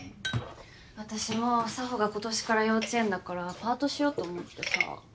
あたしも佐帆が今年から幼稚園だからパートしようと思ってさ。